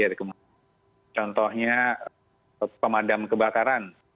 jadi kemudian contohnya pemadam kebakaran